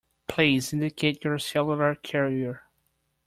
Please indicate your cellular carrier.